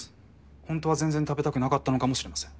ほんとは全然食べたくなかったのかもしれません。